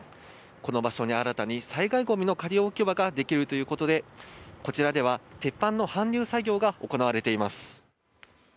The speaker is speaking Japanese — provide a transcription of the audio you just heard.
この場所に、新たに災害ゴミの仮置き場ができるということでこちらでは鉄板の搬入作業が行われています。